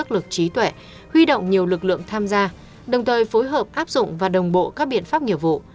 kỹ tuệ huy động nhiều lực lượng tham gia đồng thời phối hợp áp dụng và đồng bộ các biện pháp nhiệm vụ